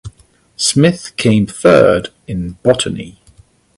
Smith came third in Botany.